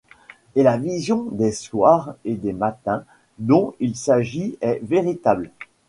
Et la vision des soirs et des matins, dont il s'agit, est véritable.